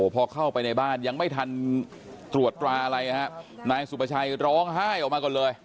พอเข้าไปในบ้านยังไม่ทันตรวจตราอะไรฮะนายสุประชัยร้องไห้ออกมาก่อนเลย